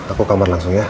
aku ke kamar langsung ya